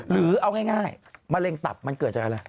หรือเอาง่ายมะเร็งตับมันเกิดจากอะไร